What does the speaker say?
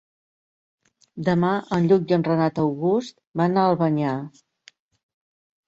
Demà en Lluc i en Renat August van a Albanyà.